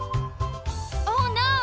オーノー。